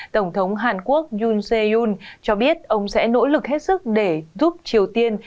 tổng thống hàn quốc yoon se yoon cho biết ông sẽ nỗ lực hết sức để giúp triều tiên